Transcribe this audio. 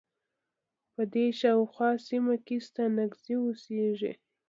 په دې شا او خواه سیمه کې ستانکزی اوسیږی.